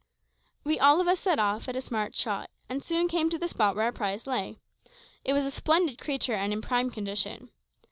We all of us set off at a smart trot, and soon came to the spot where our prize lay. It was a splendid creature, and in prime condition.